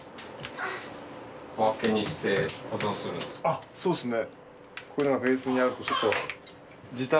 あっそうですね。